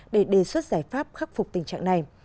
để đề xuất giải pháp khắc phục tình trạng này